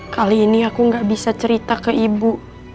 kali ini aku gak bisa cerita ke ibu